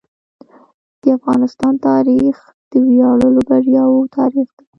د افغانستان تاریخ د ویاړلو بریاوو تاریخ دی.